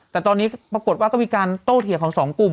แต่ตอนนี้ปรากฏว่าก็มีการโต้เถียงของสองกลุ่ม